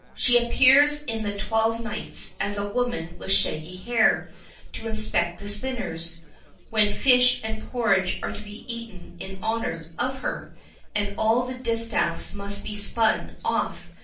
She appears in The Twelve Nights as a woman with shaggy hair, to inspect the spinners, when fish and porridge are to be eaten in honour of her, and all the distaffs must be spun off.